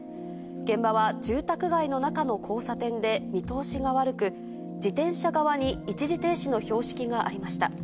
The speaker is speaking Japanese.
現場は住宅街の中の交差点で、見通しが悪く、自転車側に一時停止の標識がありました。